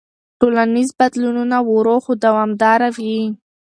ټولنیز بدلونونه ورو خو دوامداره وي.